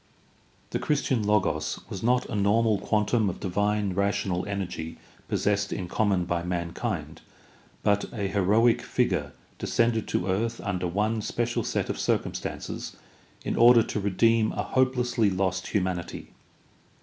The Christian Logos was not a normal quantum of divine rational energy possessed in common by mankind, but a heroic figure descended to earth under one special set of cir cumstances in order to redeem a hopelessly lost humanity.